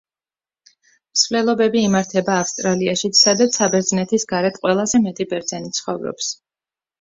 მსვლელობები იმართება ავსტრალიაშიც, სადაც საბერძნეთის გარეთ ყველაზე მეტი ბერძენი ცხოვრობს.